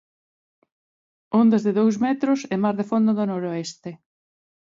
Ondas de dous metros e mar de fondo do noroeste.